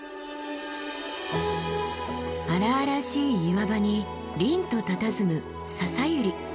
荒々しい岩場にりんとたたずむササユリ。